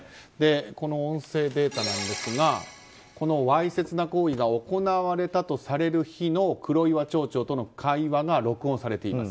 この音声データなんですがわいせつな行為が行われたとされる日の黒岩町長との会話が録音されています。